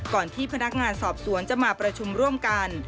ที่พนักงานสอบสวนจะมาประชุมร่วมกัน